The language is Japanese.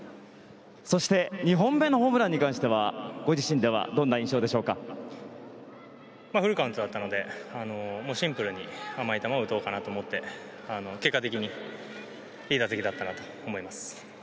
そして２本目のホームランに関してはご自身ではフルカウントだったのでシンプルに甘い球を打とうかなと思って結果的にいい打席だったなと思います。